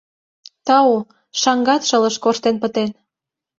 Тау, шаҥгат шылыж корштен пытен.